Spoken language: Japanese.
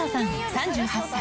３８歳。